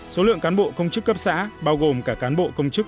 số lượng cán bộ công chức cấp xã bao gồm cả cán bộ công chức